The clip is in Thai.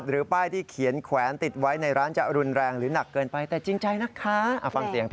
เราก็เอ๊ะมนุษย์นี่ชอบของแรงเลยเฮ้ย